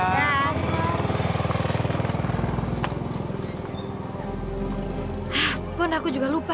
ah bon aku juga lupa